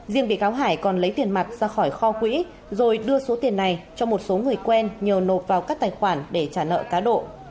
riêng bị cáo hải còn lấy tiền mặt ra khỏi kho quỹ rồi đưa số tiền này cho một số người quen nhờ nộp vào các tài khoản để trả nợ cá độ